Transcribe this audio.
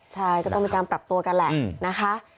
ใช่ก็ต้องมีการปรับตัวกันแหละนะคะ